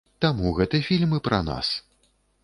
Таму гэты фільм і пра нас.